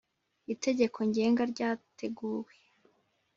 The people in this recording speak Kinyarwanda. itegeko ngenga ryateguwe